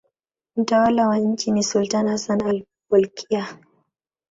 Mtawala wa nchi ni sultani Hassan al-Bolkiah.